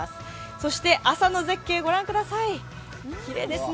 そして朝の絶景御覧ください、きれいですね。